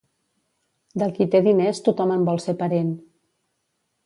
Del qui té diners, tothom en vol ser parent.